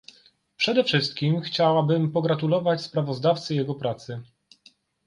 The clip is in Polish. Przede wszystkim chciałabym pogratulować sprawozdawcy jego pracy